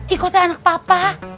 ikutlah anak papa